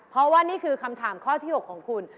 เพราะว่านี่คือคำถามข้อที่๖ของคุณ